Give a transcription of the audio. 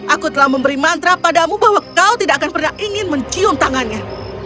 aku telah memberi mantra padamu bahwa kau tidak akan pernah ingin mencium tangannya